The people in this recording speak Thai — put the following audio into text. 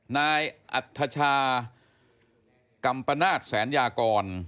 นายอัฐชากำประนาจแสนยากร